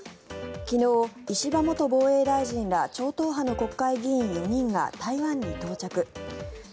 昨日、石破元防衛大臣ら超党派の国会議員４人が台湾に到着。